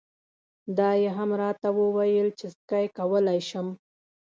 دا یې هم راته وویل چې سکی کولای شم.